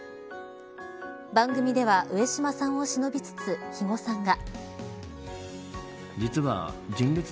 番組では上島さんをしのびつつ肥後さんが。